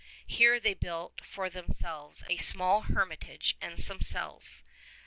Here they built for them selves a small hermitage and some cells.